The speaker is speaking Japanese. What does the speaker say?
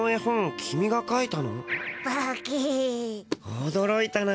おどろいたな。